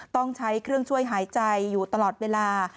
ต้องใช้เครื่องช่วยหายใจอยู่ตลอดเวลา